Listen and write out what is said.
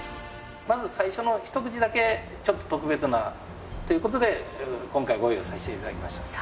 まず最初のひと口だけちょっと特別なということで今回ご用意させていただきました。